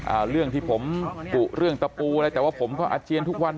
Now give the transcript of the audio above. อ่าเรื่องที่ผมกุเรื่องตะปูอะไรแต่ว่าผมก็อาเจียนทุกวัน